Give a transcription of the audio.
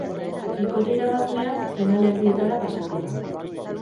Bikote irabazlea finalerdietara pasako da.